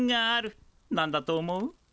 なんだと思う？